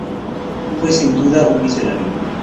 Fue sin duda un visionario.